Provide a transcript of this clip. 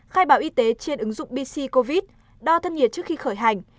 khai báo y tế trên ứng dụng bc covid đo thân nhiệt trước khi khởi hành